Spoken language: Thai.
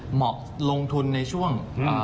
เหมาะลงทุนในช่วง